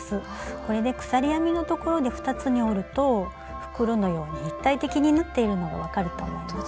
これで鎖編みのところで２つに折ると袋のように立体的に縫っているのが分かると思います。